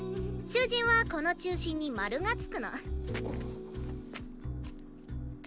囚人はこの中心にマルがつくの。